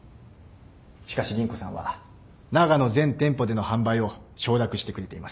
しかし凛子さんはながの全店舗での販売を承諾してくれています。